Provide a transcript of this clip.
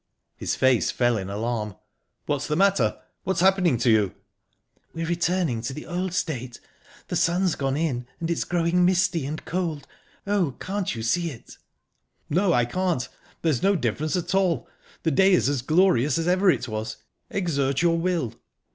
His face fell in alarm. "What's the matter? What's happening to you?..." "We're returning to the old state. The sun's gone in, and it's growing misty and cold...Oh, can't you see it?" "No, I can't. There's no difference at all the day is as glorious as ever it was...Exert your will!..."